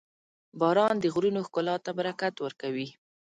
• باران د غرونو ښکلا ته برکت ورکوي.